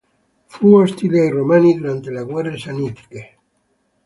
Fu ostile ai Romani durante le guerre sannitiche.